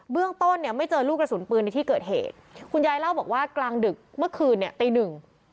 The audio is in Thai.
เรื่องต้นเนี่ยไม่เจอลูกกระสุนปืนในที่เกิดเหตุคุณยายเล่าบอกว่ากลางดึกเมื่อคืนเนี่ยตีหนึ่ง